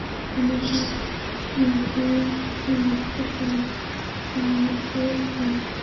জনতা তাদের মারধর করে একটি ঘরে নিয়ে গিয়ে তালাবদ্ধ করে রাখে।